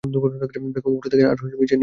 বেগম উপরে থাকে, আর মির্জা নিচে।